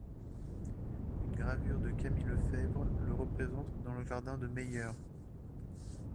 Une gravure de Camille Lefèvre, le représente dans le Jardin du Mayeur.